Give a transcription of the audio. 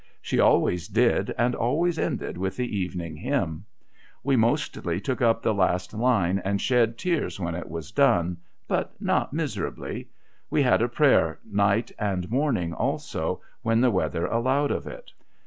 She always did, and always ended with the Evening Hymn. We mostly took up the last line, and shed tears when it was done, but not miserably. We had a prayer night and morning, also, when the weather allowed of it.